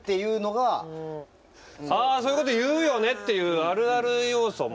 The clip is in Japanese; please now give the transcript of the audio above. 「ああそういうこと言うよね！」っていうあるある要素も。